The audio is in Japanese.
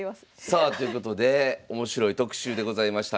さあということで面白い特集でございました。